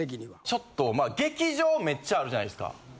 ちょっとまあ劇場めっちゃあるじゃないですか。